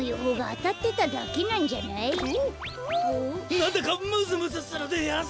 なんだかむずむずするでやんす。